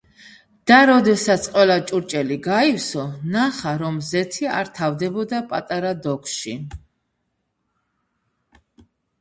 და როდესაც ყველა ჭურჭელი გაივსო, ნახა, რომ ზეთი არ თავდებოდა პატარა დოქში.